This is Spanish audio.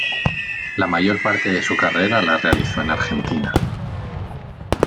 La mayor parte de su carrera la realizó en Argentina.